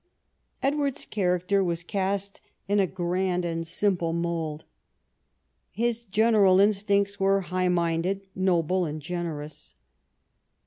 Edward's character was cast in a grand and simple mould. His general instincts were high minded, noble, and generous.